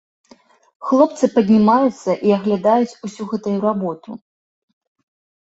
Хлопцы паднімаюцца і аглядаюць усю гэтую работу.